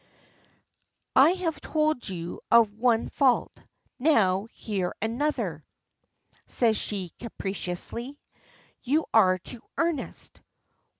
"I have told you of one fault, now hear another," says she capriciously. "You are too earnest!